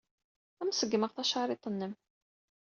Ad am-ṣeggmeɣ tacariḍt-nnem.